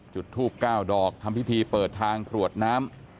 จุดทูบ๙ดอกทำพิธีเปิดทางกรวดน้ำ